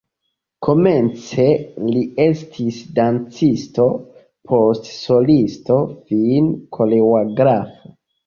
Komence li estis dancisto, poste solisto, fine koreografo.